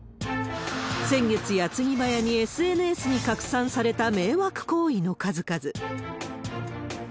先月、やつぎばやにＳＮＳに拡散された迷惑行為の数々。